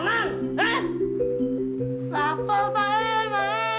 laper pak ya